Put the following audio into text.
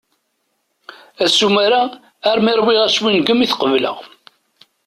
Assumer-a, armi ṛwiɣ aswingem i t-qebeleɣ.